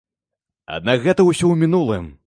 Аднак гэта ўсё ў мінулым.